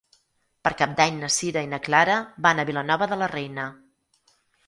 Per Cap d'Any na Sira i na Clara van a Vilanova de la Reina.